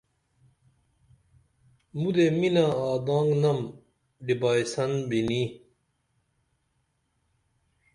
مودے مِنہ آدنگنم ڈبائیسن بِنی